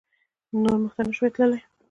نور مخته نه شوای تللای.